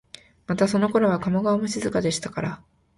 またそのころは加茂川も静かでしたから、